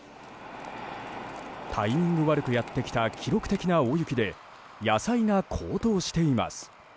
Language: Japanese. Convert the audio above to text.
タイミング悪くやってきた記録的な大雪で野菜が高騰しています。